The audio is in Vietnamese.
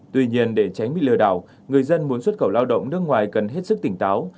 tuy nhiên để tránh bị lừa đảo người dân muốn xuất khẩu lao động nước ngoài cần hết sức tỉnh táo